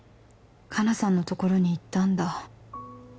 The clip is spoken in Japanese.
香菜さんのところに行ったんだ